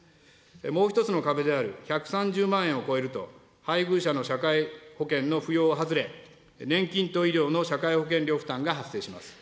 もう一つの壁である１３０万円を超えると、配偶者の社会保険の扶養を外れ、年金と医療の社会保険料負担が発生します。